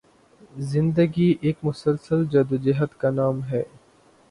زندگی ایک مسلسل جدوجہد کا نام ہے